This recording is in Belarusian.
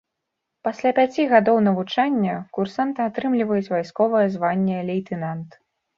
Пасля пяці гадоў навучання курсанты атрымліваюць вайсковае званне лейтэнант.